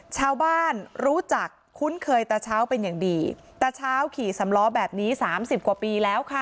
ชาวบ้านรู้จักคุ้นเคยตาเช้าเป็นอย่างดีตะเช้าขี่สำล้อแบบนี้สามสิบกว่าปีแล้วค่ะ